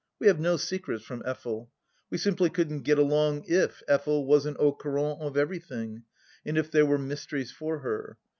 We have no secrets from Effel. We simply couldn't get along if Effel wasn't au courant of everything and if there were mysteries for her.